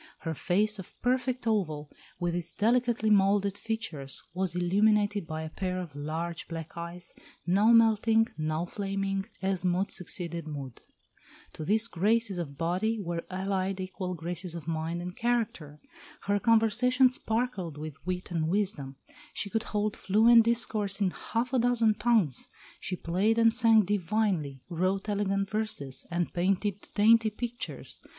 Her face of perfect oval, with its delicately moulded features, was illuminated by a pair of large black eyes, now melting, now flaming, as mood succeeded mood. To these graces of body were allied equal graces of mind and character. Her conversation sparkled with wit and wisdom; she could hold fluent discourse in half a dozen tongues; she played and sang divinely, wrote elegant verses, and painted dainty pictures.